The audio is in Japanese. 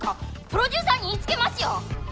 プロデューサーに言いつけますよ！？